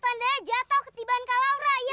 tanda jatuh ketiban kalau